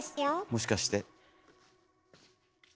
もしかして。